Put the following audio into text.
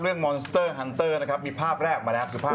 มอนสเตอร์ฮันเตอร์นะครับมีภาพแรกออกมาแล้วคือภาพ